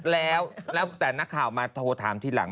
แล้วแต่นักข่าวมาโทรถามทีหลัง